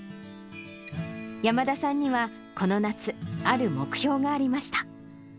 山田さんには、この夏、ある目標がありました。